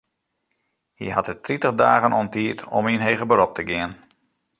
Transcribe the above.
Hy hat it tritich dagen oan tiid om yn heger berop te gean.